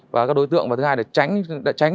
và các đối tượng và thứ hai là tránh